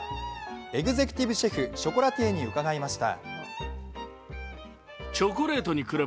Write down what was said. エグゼクティブシェフ・ショコラティエに伺いました。